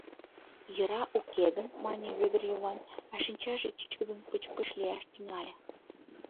Йӧра уке гын, — мане Вӧдыр Йыван, а шинчаже чӱчкыдын пыч-пыч лияш тӱҥале.